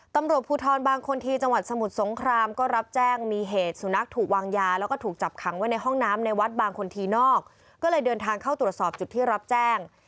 ตำรวจภูทรบางคนที่จังหวัดสมุทรสงครามก็รับแจ้งมีเหตุสุนัขถูกวางยาแล้วก็ถูกจับขังไว้ในห้องน้ำในวัดบางคนทีนอกก็เลยเดินทางเข้าตรวจสอบจุดที่รับแจ้ง